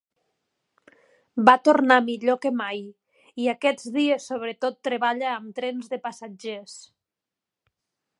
Va tornar millor que mai, i aquests dies sobretot treballa amb trens de passatgers.